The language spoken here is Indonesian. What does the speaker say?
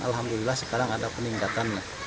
alhamdulillah sekarang ada peningkatan